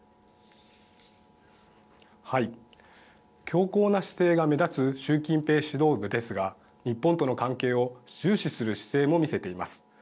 強硬な姿勢が目立つ習近平指導部ですが日本との関係を重視する姿勢も見せています。